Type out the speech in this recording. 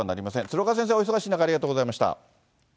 鶴岡先生、お忙しい中、ありがとうございました。